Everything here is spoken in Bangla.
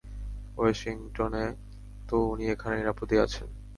ওয়াশিংটনে তো উনি এখানে নিরাপদেই আছেন!